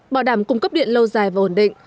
bảo đảm cung cấp điện lâu dài và ổn định